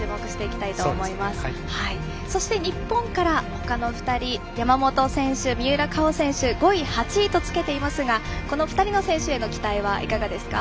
そして日本から山本選手三浦佳生選手５位、８位とつけていますがこの２人への期待はどうですか。